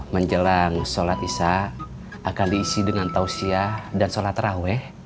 menjelang sholat isya akan diisi dengan tausiyah dan sholat raweh